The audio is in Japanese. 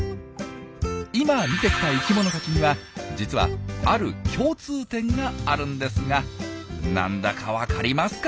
今見てきた生きものたちには実はある共通点があるんですが何だか分かりますか？